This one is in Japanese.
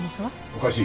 おかしい。